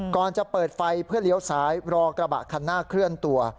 ก่อนจะเปิดไฟเพื่อเลี้ยวซ้ายรอกระบะคันหน้าเคลื่อนตัว